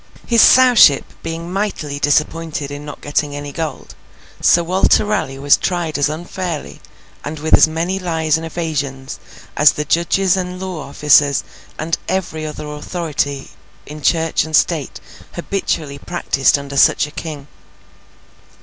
His Sowship being mightily disappointed in not getting any gold, Sir Walter Raleigh was tried as unfairly, and with as many lies and evasions as the judges and law officers and every other authority in Church and State habitually practised under such a King.